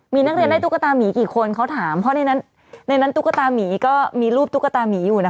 มีนักเรียนได้ตุ๊กตามีกี่คนเขาถามเพราะในนั้นตุ๊กตามีก็มีรูปตุ๊กตามีอยู่นะคะ